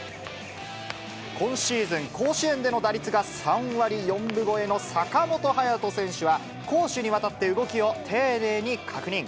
今シーズン、甲子園での打率が３割４分超えの坂本勇人選手は、攻守にわたって動きを丁寧に確認。